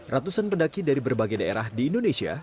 ratusan pendaki dari berbagai daerah di indonesia